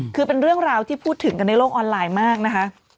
คือเป็นเรื่องราวที่พูดถึงกันในโลกออนไลน์มากนะคะ